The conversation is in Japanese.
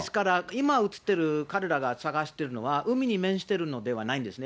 今写ってる、彼らが探しているのは海に面しているのではないんですね。